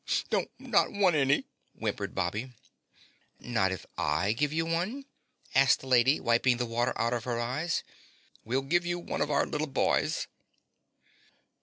"Don't not want any," whimpered Bobby. "Not if I give you one?" asked the lady, wiping the water out of her eyes. "We'll give you our little boy's."